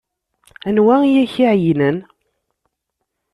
Anwa ay ak-iɛeyynen?